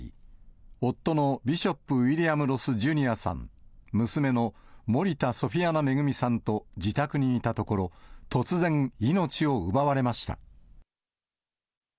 夫のビショップ・ウィリアム・ロス・ジュニアさん、娘の森田ソフィアナ恵さんと自宅にいたところ、突然、命を奪われました。